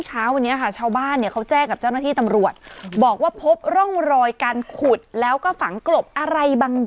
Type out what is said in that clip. แม่อยากให้แม่ชิมอร่อยนะครับ